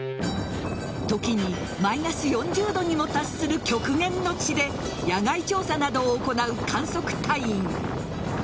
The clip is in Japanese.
時にマイナス４０度にも達する極限の地で野外調査などを行う観測隊員。